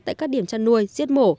tại các điểm chăn nuôi giết mổ